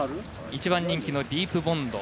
１番人気のディープボンド